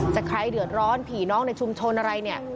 ใครเดือดร้อนผีน้องในชุมชนอะไรเนี่ย